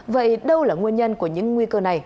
vậy đâu là nguyên nhân của những nguy cơ này